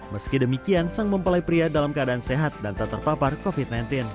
meski demikian sang mempelai pria dalam keadaan sehat dan tak terpapar covid sembilan belas